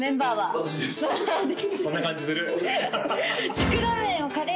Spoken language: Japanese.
そんな感じするええ